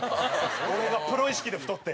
俺がプロ意識で太って。